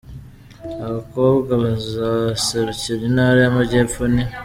Abakobwa bazaserukira Intara y’Amajyepfo ni:.